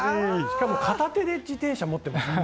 しかも片手で自転車持っていますよね。